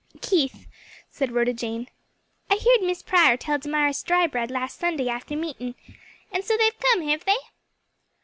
"Keith," said Rhoda Jane, "I heerd Miss Prior tell Damaris Drybread last Sunday after meetin'. And so they've come, hev they?"